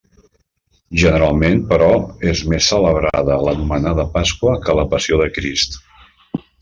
Generalment però, és més celebrada l'anomenada Pasqua que la passió de Crist.